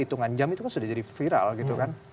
pada saat itu kan sudah jadi viral gitu kan